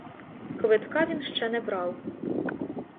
Квитка він ще не брав.